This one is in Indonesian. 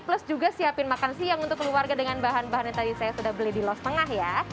plus juga siapin makan siang untuk keluarga dengan bahan bahan yang tadi saya sudah beli di los tengah ya